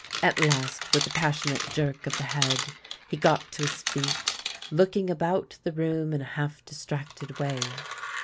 At last, with a passionate jerk of the head, he got to his feet, looking about the room in a half distracted way.